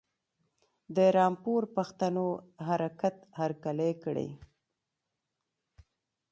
د رامپور پښتنو حرکت هرکلی کړی.